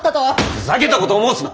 ふざけたことを申すな！